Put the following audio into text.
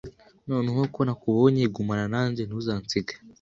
Noneho ko nakubonye, gumana nanjye ntuzansige